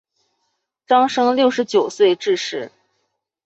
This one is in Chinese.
张升六十九岁致仕。